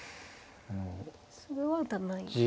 それは打たないですか。